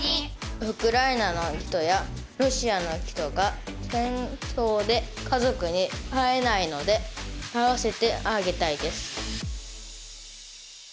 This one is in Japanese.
「ウクライナの人やロシアの人が戦争で家族に会えないので会わせてあげたいです」。